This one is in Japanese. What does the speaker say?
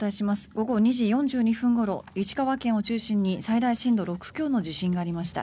午後２時４２分ごろ石川県を中心に最大震度６強の地震がありました。